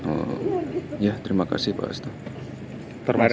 oh ya terima kasih pak hasto